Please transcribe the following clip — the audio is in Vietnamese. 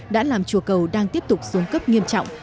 đã làm chùa cầu đang tiếp tục xuống cấp nghiêm trọng